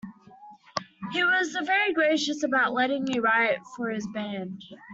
He was very gracious about letting me write for his band.